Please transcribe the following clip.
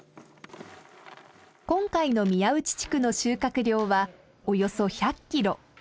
今回の宮内地区の収穫量はおよそ１００キロ。